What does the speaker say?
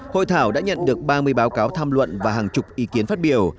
hội thảo đã nhận được ba mươi báo cáo tham luận và hàng chục ý kiến phát biểu